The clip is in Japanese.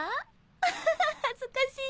アハハ恥ずかしい。